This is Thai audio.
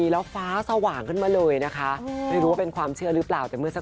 เลขข้างหลังก็เลข๓เอ๊ะ๓๓หรือเปล่านะ